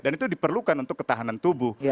dan itu diperlukan untuk ketahanan tubuh